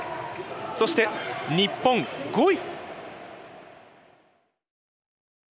そして日本５位。